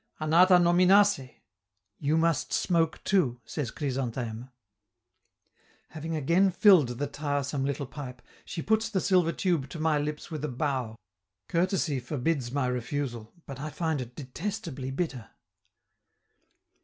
"Anata nominase!" ("You must smoke too!") says Chrysantheme. Having again filled the tiresome little pipe, she puts the silver tube to my lips with a bow. Courtesy forbids my refusal; but I find it detestably bitter.